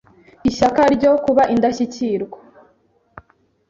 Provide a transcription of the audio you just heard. ishyaka ryo kuba indashyikirwa;